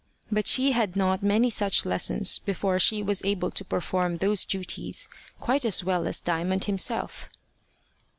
But she had not many such lessons before she was able to perform those duties quite as well as Diamond himself.